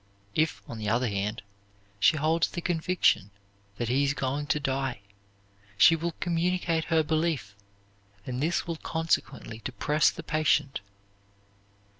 If, on the other hand, she holds the conviction that he is going to die, she will communicate her belief, and this will consequently depress the patient.